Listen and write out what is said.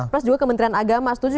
plus juga kementerian agama setuju